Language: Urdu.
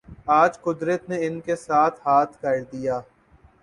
آج قدرت نے ان کے ساتھ ہاتھ کر دیا۔